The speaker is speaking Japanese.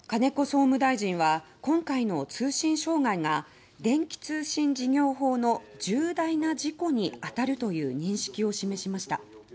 総務大臣は今回の通信障害が電気通信事業法の「重大な事故」にあたるという認識を示しました。